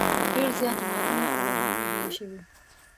ډېر زیات جوماتونه او ودانۍ جوړې شوې.